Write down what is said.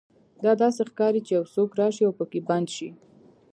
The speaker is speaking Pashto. دا داسې ښکاري چې یو څوک راشي او پکې بند شي